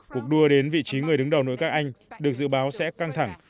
cuộc đua đến vị trí người đứng đầu nội các anh được dự báo sẽ căng thẳng